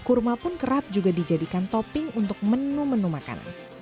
kurma juga sering dikerap juga dijadikan topping untuk menu menu makanan